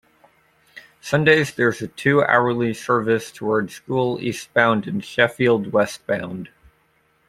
Sundays there is a two hourly service towards Goole eastbound and Sheffield westbound.